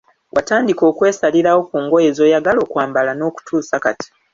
Watandika okwesalirawo ku ngoye zoyagala okwambala nokutuusa kati.